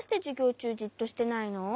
ちゅうじっとしてないの？